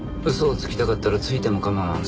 嘘をつきたかったらついても構わん。